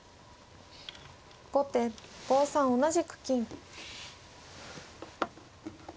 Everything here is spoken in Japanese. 後手５三同じく金。